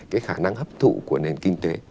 cái khả năng hấp thụ của nền kinh tế